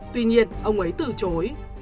tuy nhiên ông ấy từ chối